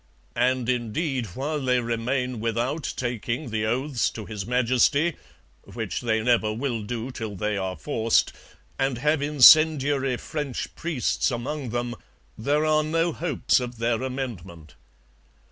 And indeed while they remain without taking the oaths to His Majesty (which they never will do till they are forced) and have incendiary French priests among them there are no hopes of their amendment.